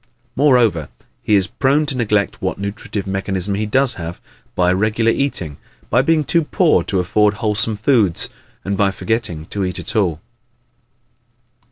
Moreover, he is prone to neglect what nutritive mechanism he does have, by irregular eating, by being too poor to afford wholesome foods, and by forgetting to eat at all.